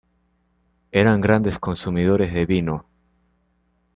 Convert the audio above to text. Eran grandes consumidores de vino.